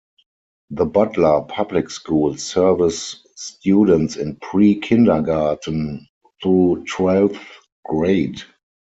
The Butler Public Schools serves students in pre-Kindergarten through twelfth grade.